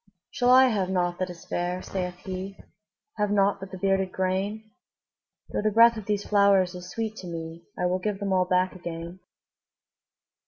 ``Shall I have nought that is fair?'' saith he; ``Have nought but the bearded grain? Though the breath of these flowers is sweet to me, I will give them all back again.''